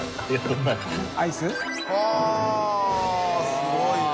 すごいね。